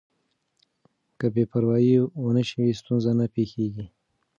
که بې پروايي ونه شي ستونزه نه پېښېږي.